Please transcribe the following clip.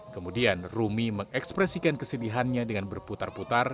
kemudian rumi mengekspresikan kesedihannya dengan berputar putar